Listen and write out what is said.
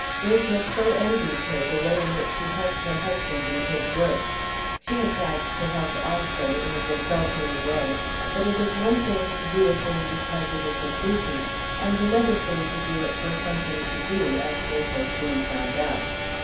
Rachel so envied her the way in which she helped her husband in his work; she had tried to help also, in a desultory way; but it is one thing to do a thing because it is a duty, and another thing to do it for something to do, as Rachel soon found out.